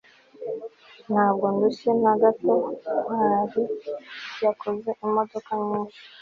ntabwo ndushye na gato ntwali yakoze imodoka nyinshi